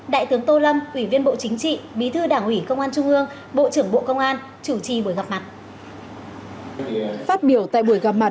đại tướng tô lâm ủy viên bộ chính trị bí thư đảng ủy công an trung ương bộ trưởng bộ công an chủ trì buổi gặp mặt